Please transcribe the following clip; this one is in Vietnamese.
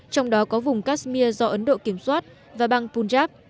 trong đó có vùng kashmir do ấn độ kiểm soát và bang punjab